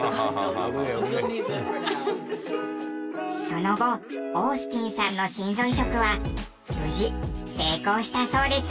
その後オースティンさんの心臓移植は無事成功したそうです。